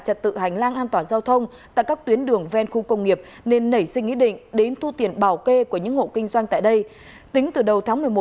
trật tự hành lang an toàn giao thông